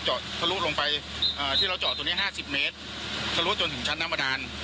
เจาะทะลุลงไปที่เราเจาะตรงนี้๕๐เมตรทะลุลจนถึงชั้นน้ำประดาน